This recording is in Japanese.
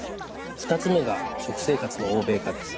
２つ目が食生活の欧米化です。